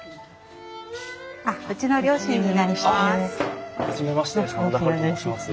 うちの両親になります。